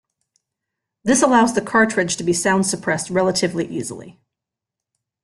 This allows the cartridge to be sound suppressed relatively easily.